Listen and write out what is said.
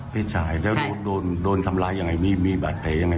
เพศชายแล้วโดนทำร้ายอย่างไรมีบาดแผลอย่างไร